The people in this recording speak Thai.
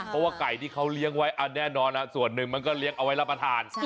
เพราะไก่ที่เขาเลี้ยงไว้เอาแน่นอนนะส่วนหนึ่งมันก็เอาไว้รับประทาน